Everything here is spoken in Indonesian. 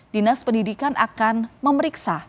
dinas pendidikan akan memeriksa